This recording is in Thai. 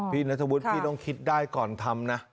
พี่นัทวุฒิพี่ต้องคิดได้ก่อนทำนะ